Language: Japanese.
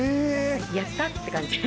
やった！って感じ。